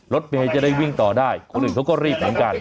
รถเมย์จะได้วิ่งต่อได้คนอื่นเขาก็รีบเหมือนกัน